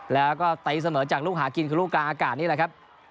แล้วก็ตีเสมอจากลูกหากินคือลูกกลางอากาศนี่แหละครับ